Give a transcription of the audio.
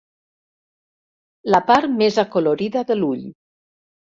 La part més acolorida de l'ull.